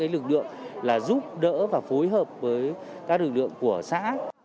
lực lượng giúp đỡ và phối hợp với các lực lượng của xã